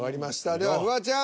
ではフワちゃん。